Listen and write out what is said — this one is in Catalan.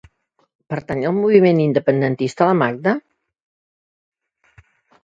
Pertany al moviment independentista la Magda?